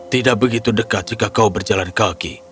tidak begitu dekat jika kau berjalan kaki